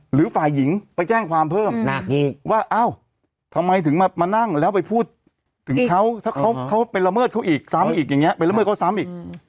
หรือฝ่ายหญิงไปแจ้งความเพิ่มอีกว่าเอ้าทำไมถึงมานั่งแล้วไปพูดถึงเขาถ้าเขาไปละเมิดเขาอีกซ้ำอีกอย่างนี้ไปละเมิดเขาซ้ำอีก